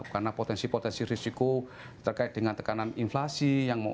karena potensi potensi risiko terkait dengan tekanan inflasi